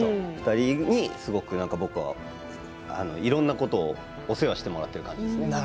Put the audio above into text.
２人にいろんなことをお世話してもらっている感じです。